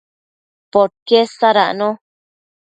podquied sadacno